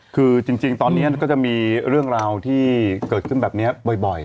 คือจริงตอนนี้ก็จะมีเรื่องราวที่เกิดขึ้นแบบนี้บ่อย